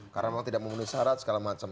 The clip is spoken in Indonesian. karena memang tidak memenuhi syarat segala macam